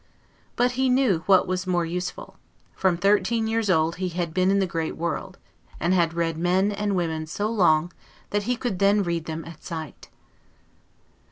But he knew what was more useful: from thirteen years old he had been in the great world, and had read men and women so long, that he could then read them at sight.